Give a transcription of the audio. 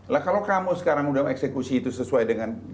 lah kalau kamu sekarang udah eksekusi itu sesuai dengan